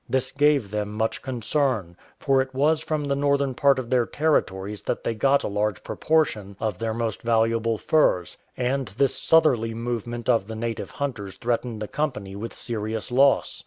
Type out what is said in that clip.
This gave them much concern, for it was from the northern part of their territories that they got a large proportion of their most valuable furs, and this southerly movement of the native hunters threatened the Company 20 1 IN SEARCH OF A MISSIONARY with serious loss.